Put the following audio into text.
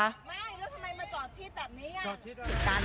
ไม่แล้วทำไมมาจอดชิดแบบนี้อ่ะ